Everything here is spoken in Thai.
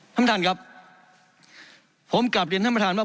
ท่านประธานครับผมกลับเรียนท่านประธานว่า